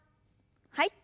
はい。